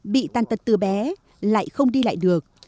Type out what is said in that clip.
bị tàn tật từ bé lại không đi lại được